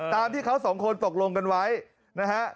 ตามที่เขาสองคนตกลงกันไว้นะฮะ